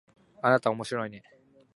あなたおもしろいね